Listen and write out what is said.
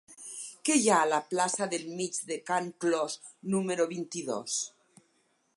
Què hi ha a la plaça del Mig de Can Clos número vint-i-dos?